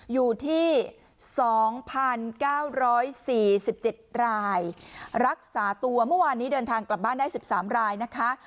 อยู่ที่๒๙๔๗รายรักษาตัวเมื่อวานนี้เดินทางกลับบ้านได้๑๓รายนะคะ